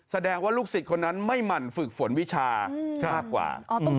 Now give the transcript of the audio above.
แสดงว่าลูกศิษย์คนนั้นไม่หมั่นฝึกฝนวิชามากกว่า